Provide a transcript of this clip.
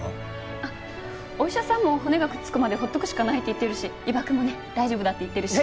お医者さんも骨がくっつくまで放っておくしかないって言ってるし伊庭くんもね大丈夫だって言ってるし。